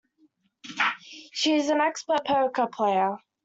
She is an expert poker player.